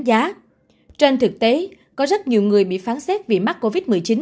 giá trên thực tế có rất nhiều người bị phán xét vì mắc covid một mươi chín